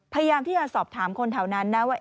พยายามที่จะสอบถามคนแถวนั้นนะว่า